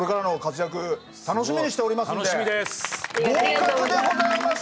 合格でございました。